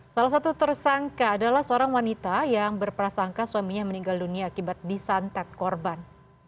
salah satu tersangka adalah seorang wanita yang berprasangka suaminya meninggal dunia akibat disantet korban